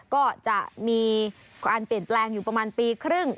ก็จะมีการเปลี่ยนแปลงอยู่ประมาณปีครึ่ง